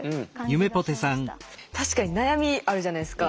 確かに悩みあるじゃないですか。